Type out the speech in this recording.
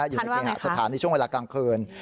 อยู่ในเคหสถานในช่วงเวลากลางคืน